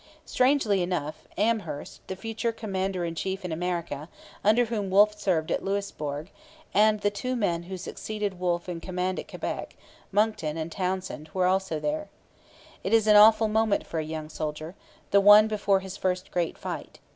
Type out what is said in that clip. Strangely enough, Amherst, the future commander in chief in America, under whom Wolfe served at Louisbourg, and the two men who succeeded Wolfe in command at Quebec Monckton and Townshend were also there. It is an awful moment for a young soldier, the one before his first great fight.